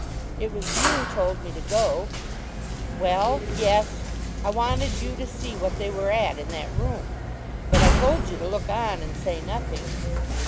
"It was you told me to go." "Well; yes. I wanted you to see what they were at in that room; but I told you to look on and say nothing."